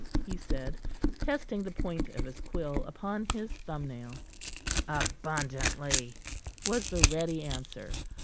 he said, testing the point of his quill upon his thumb nail. "Abundantly," was the ready answer.